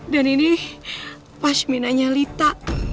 dan ini asminahnya lita